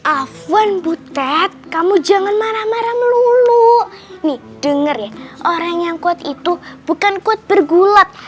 afan butet kamu jangan marah marah melulu nih denger ya orang yang kuat itu bukan kuat bergulat